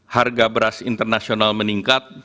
harga beras internasional meningkat